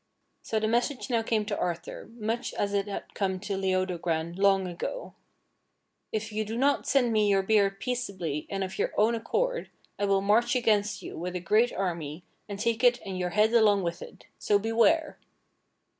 So the message now came to Arthur, much as it had come to Leodogran long ago: "If you do not send me your beard peaceably and of your own accord, I wdll march against you with a great army and take it ami your head along wdth it. So beware